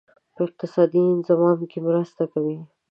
په اقتصادي انضمام کې مرسته کوي.